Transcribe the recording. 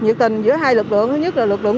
nhiệt tình giữa hai lực lượng thứ nhất là lực lượng